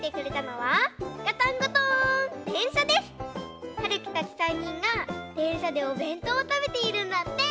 はるきたち３にんがでんしゃでおべんとうをたべているんだって！